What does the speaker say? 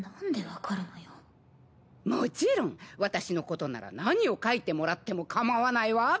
もちろん私のことなら何を書いてもらってもかまわないわ。